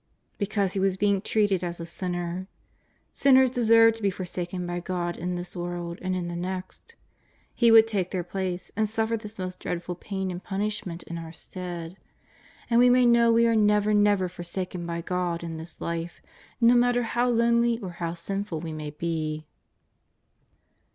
Because He was being treated as a sinner. Sinners deserve to be forsaken by God in this world and in the next. He would take their place, and suffer this most dreadful pain and punishment in our stead, that we may know we are never, never for saken by God in this life, no matter how lonely or how sinful we may be.